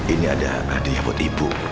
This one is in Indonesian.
ini ada adiknya buat ibu